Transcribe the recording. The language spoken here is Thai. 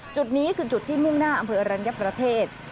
จุดนี้คือจุดที่มุ่งหน้าอำเภออรัญญประเทศ